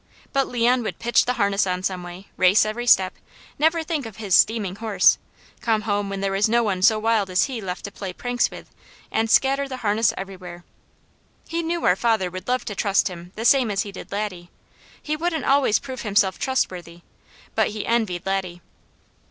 But Leon would pitch the harness on some way, race every step, never think of his steaming horse, come home when there was no one so wild as he left to play pranks with, and scatter the harness everywhere. He knew our father would love to trust him the same as he did Laddie. He wouldn't always prove himself trustworthy, but he envied Laddie.